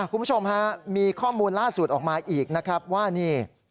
คุณผู้ชมฮะมีข้อมูลล่าสุดออกมาอีกนะครับว่านี่